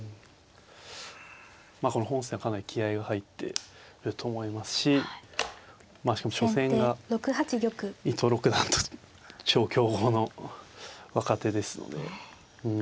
この本戦はかなり気合いが入ってると思いますしまあ初戦が伊藤六段と超強豪の若手ですので。